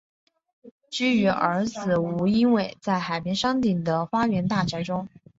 居于儿子吴英伟在海边山顶的花园大宅中。